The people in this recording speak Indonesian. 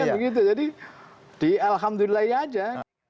iya begitu jadi di alhamdulillah aja